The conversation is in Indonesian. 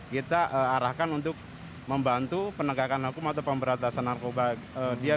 kita arahkan untuk membantu penegakan hukum atau pemberantasan narkoba